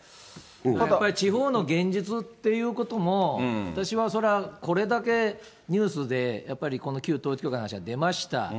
やっぱり地方の現実っていうことも、私はそれは、これだけニュースで、やっぱりこれだけ旧統一教会の話が出ました。